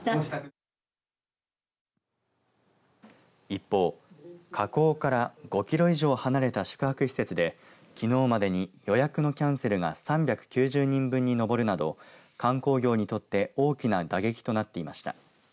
一方、火口から５キロ以上離れた宿泊施設できのうまでに予約のキャンセルが３９０人分に上るなど観光業にとって大きな打撃となっていました。